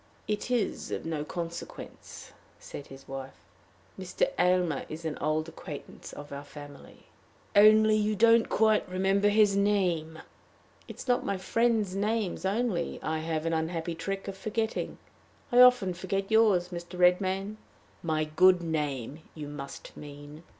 "It is of no consequence," said his wife; "Mr. Aylmer is an old acquaintance of our family." "Only you don't quite remember his name!" "It is not my friends' names only I have an unhappy trick of forgetting. I often forget yours, Mr. Redmain!" "My good name, you must mean."